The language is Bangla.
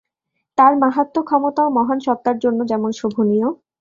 তার মাহাত্ম, ক্ষমতা ও মহান সত্তার জন্য যেমন শোভনীয়।